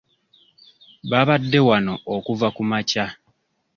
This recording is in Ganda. Ababadde wano okuva kumakya.